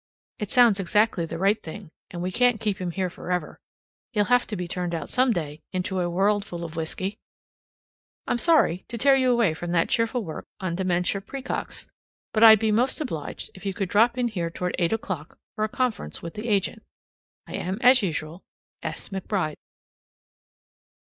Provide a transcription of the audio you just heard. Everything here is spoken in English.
It sounds exactly the right thing, and we can't keep him here forever; he'll have to be turned out some day into a world full of whisky. I'm sorry to tear you away from that cheerful work on "Dementia Precox," but I'd be most obliged if you'd drop in here toward eight o'clock for a conference with the agent. I am, as usual, S. McBRIDE.